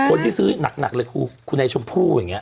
คนที่ซื้อหนักเลยคุณไอชมพูอย่างเงี้ย